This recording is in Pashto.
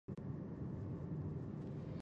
په ژمي کې خلک صندلۍ ګرموي.